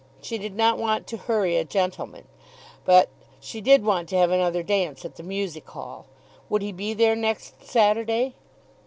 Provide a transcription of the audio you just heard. She did not want to hurry a gentleman. But she did want to have another dance at the Music Hall. Would he be there next Saturday?